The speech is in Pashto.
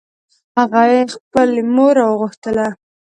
هغې خپل مور راوغوښتله